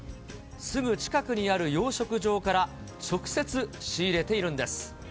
すぐ近くにある養殖場から直接、仕入れているんです。